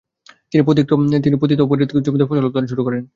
তিনি পতিত ও পরিত্যাক্ত জমিতে ফসল উৎপাদন শুরু করেন।